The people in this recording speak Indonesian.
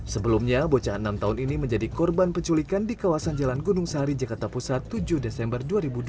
sebelumnya bocah enam tahun ini menjadi korban penculikan di kawasan jalan gunung sari jakarta pusat tujuh desember dua ribu dua puluh